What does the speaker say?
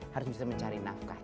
harus bisa mencari nafkah